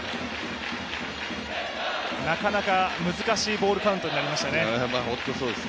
なかなか難しいボールカウントになりましたね。